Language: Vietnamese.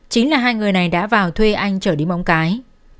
chính là hai người này đã vào thuê anh chở đi bóng cái